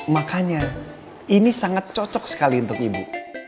makanya ini sangat cocok sekali untuk ibu